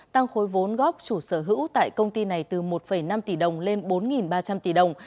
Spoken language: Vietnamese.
tăng khối vốn góp chủ sở hữu tại công ty này từ một năm tỷ đồng lên bốn ba trăm linh tỷ đồng